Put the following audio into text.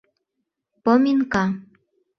ПОМИНКА